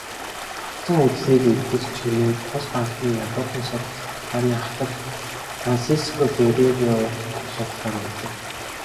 "Тогтсон үзлийг эвдэгч" хэмээн тус банкны ядуурлын судалгааны ахлагч Франсиско Ферреира уг судалгааг үнэлэв.